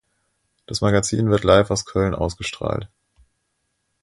Das Magazin wird live aus Köln ausgestrahlt.